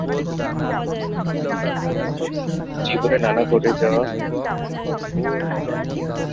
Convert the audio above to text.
এখানে তিনি এক সঙ্গীত প্রযোজকের সাথে পরিচিত হন, যার সাথে পরবর্তী সময়ে অ্যানি কাজ করেছেন।